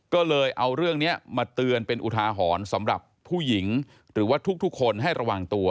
ก็เลยเอาเรื่องนี้มาเตือนเป็นอุทาหรณ์สำหรับผู้หญิงหรือว่าทุกคนให้ระวังตัว